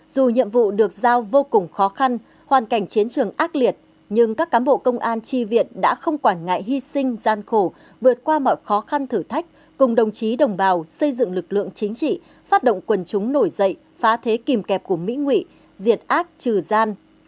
dù nhiệm vụ được giao vô cùng khó khăn hoàn cảnh chiến trường ác liệt nhưng các cán bộ công an tri viện đã không quản ngại hy sinh gian khổ vượt qua mọi khó khăn thử thách cùng đồng chí đồng bào xây dựng lực lượng chính trị phát động quần chúng nổi dậy phá thế kìm kẹp của mỹ nguy diệt ác trừ gian